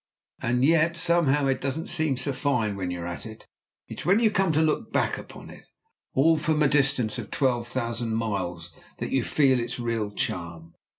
"And yet, somehow, it doesn't seem so fine when you're at it. It's when you come to look back upon it all from a distance of twelve thousand miles that you feel its real charm.